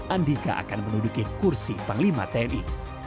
andika akan menuduki kursi panglima tni